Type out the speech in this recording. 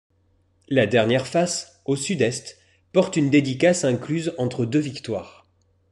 La dernière face, au sud-est, porte une dédicace incluse entre deux Victoires.